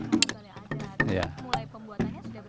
mulai pembuatannya sudah berapa waktu lalu